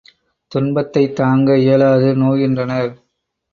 துன்பத்தைத் தாங்க இயலாது நோகின்றனர்.